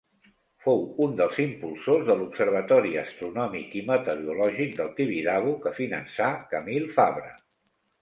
Fou un dels impulsors de l'observatori astronòmic i meteorològic del Tibidabo que finançà Camil Fabra.